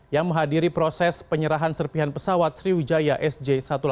yang menghadiri proses penyerahan serpihan pesawat sriwijaya sj satu ratus delapan puluh